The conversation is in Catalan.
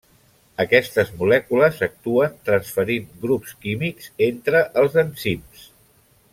Aquestes molècules actuen transferint grups químics entre els enzims.